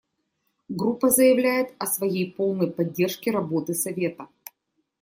Группа заявляет о своей полной поддержке работы Совета.